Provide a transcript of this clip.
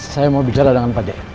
saya mau bicara dengan pak jk